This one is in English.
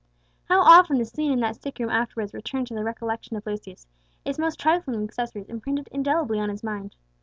How often the scene in that sick room afterwards returned to the recollection of Lucius, its most trifling accessories imprinted indelibly on his mind!